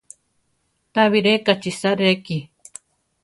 Tabiré kachisa reki.